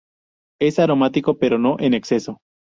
Es aromático, pero no en exceso.